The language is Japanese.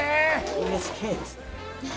ＵＳＫです。